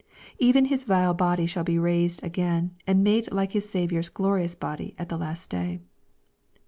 Even his vile body shall be raised again, and made like his Saviour's glorious body at the last day.